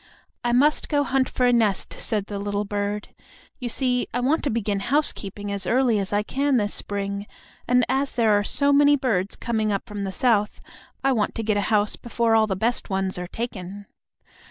"I must go hunt for a nest," said the little bird. "You see, I want to begin housekeeping as early as I can this spring, and as there are so many birds coming up from the South, I want to get a house before all the best ones are taken."